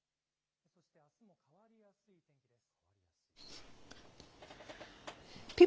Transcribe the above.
そしてあすも変わりやすい天気です。